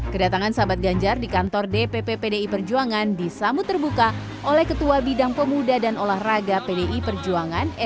kedatangan sahabat ganjar di kantor dpp pdi perjuangan disambut terbuka oleh ketua umum pdi perjuangan